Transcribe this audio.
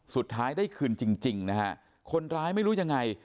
สุดท้ายได้คืนจริงนะฮะคนร้ายไม่รู้ยังไง